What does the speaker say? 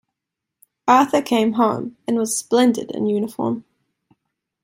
Arthur came home, and was splendid in uniform.